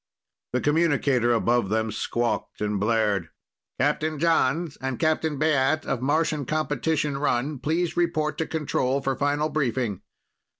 The communicator above them squawked and blared: "Captain Jons and Captain Baat of Martian competition run, please report to control for final briefing."